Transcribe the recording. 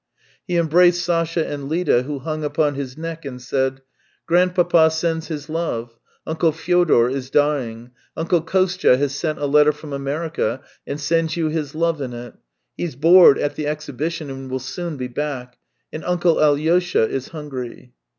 He embraced Sasha and Lida, who hung upon his neck, and said: ' Grandpapa sends his love. ... Uncle Fyodor is dying. Uncle Kostya has sent a letter from America and sends you his love in it. He's bored at the exhibition and will soon be back. And Uncle Alyosha is hungry."